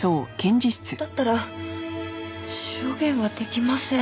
だったら証言は出来ません。